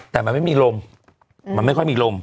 แต่มันไม่มีลมมันไม่ค่อยมีลม